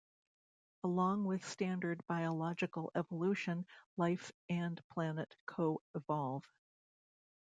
Along with standard biological evolution, life and planet co-evolve.